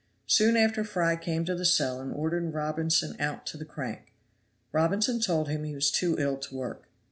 Soon after Fry came to the cell and ordered Robinson out to the crank. Robinson told him he was too ill to work.